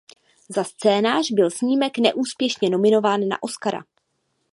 Za scénář byl snímek neúspěšně nominován na Oscara.